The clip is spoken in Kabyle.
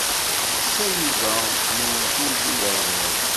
D tayuga n uwtul d uyaziḍ.